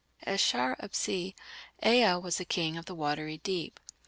" As "Shar Apsi", Ea was the "King of the Watery Deep".